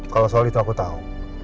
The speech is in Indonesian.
kalau soal itu aku tahu